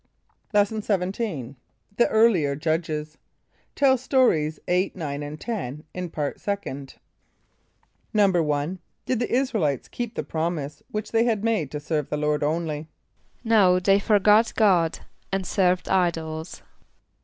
"= Lesson XVII. The Earlier Judges. (Tell Stories 8, 9 and 10 in Part Second.) =1.= Did the [)I][s+]´ra el [=i]tes keep the promise which they had made to serve the Lord only? =No, they forgot God, and served idols.